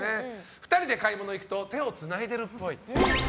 二人で買い物行くと手をつないでるっぽい。